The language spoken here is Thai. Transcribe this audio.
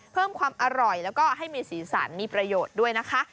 เพิ่มความอร่อยแล้วก็ให้มีสีสันมีประโยชน์ด้วยนะคะ